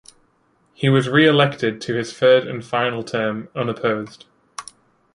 He was re-elected to his third and final term unopposed.